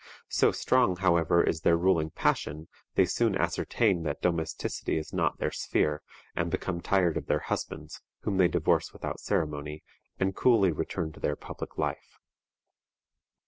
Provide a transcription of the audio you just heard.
So strong, however, is their ruling passion, they soon ascertain that domesticity is not their sphere, and become tired of their husbands, whom they divorce without ceremony, and coolly return to their public life.